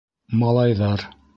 Малайҙар: